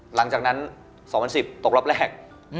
หลังจากนั้น๒๐๑๐ตกรอบแรก